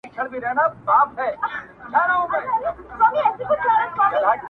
هر نسل يې يادوي بيا بيا,